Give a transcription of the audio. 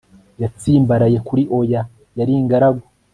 yatsimbaraye kuri oya - yari ingaragu